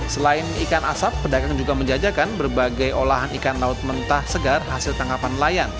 selain ikan asap pedagang juga menjajakan berbagai olahan ikan laut mentah segar hasil tangkapan layan